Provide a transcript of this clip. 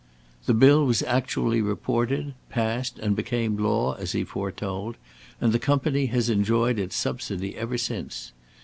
"The bill was actually reported, passed, and became law as he foretold, and the Company has enjoyed its subsidy ever since.